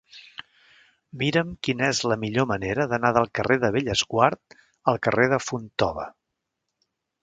Mira'm quina és la millor manera d'anar del carrer de Bellesguard al carrer de Fontova.